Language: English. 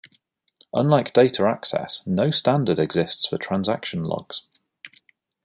Unlike data access, no standard exists for transaction logs.